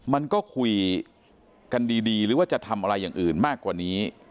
มันก็คุยกันดีหรือว่าจะทำอะไรอย่างอื่นมากกว่านี้